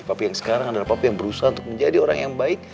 tapi yang sekarang adalah papa yang berusaha untuk menjadi orang yang baik